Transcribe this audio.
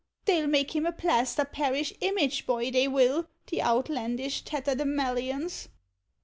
They'll make him a plaster parish image boy, they will, the outlandish tatterdemalions.